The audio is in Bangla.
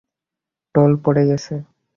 টোল পড়ে গেছে!